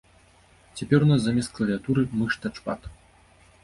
Цяпер у нас замест клавіятуры мыш-тачпад.